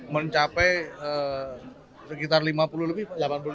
mencapai sekitar lima puluh lebih pak